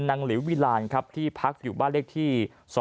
หลิววิลานครับที่พักอยู่บ้านเลขที่๒๕